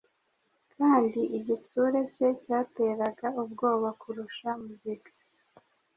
kandi igitsure cye cyateraga ubwoba kurusha mugiga.